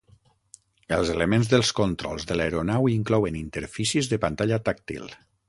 Els elements dels controls de l'aeronau inclouen interfícies de pantalla tàctil.